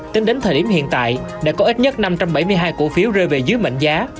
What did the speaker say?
tính đến thời điểm hiện tại đã có ít nhất năm trăm bảy mươi hai cổ phiếu rơi về dưới mệnh giá